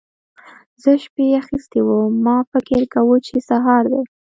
زه شپې اخيستی وم؛ ما فکر کاوو چې سهار دی.